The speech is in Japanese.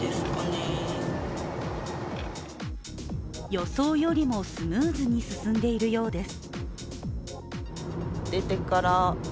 予想よりもスムーズに進んでいるようです。